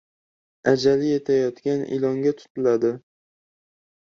• Ajali yetayotgan ilonga tutiladi.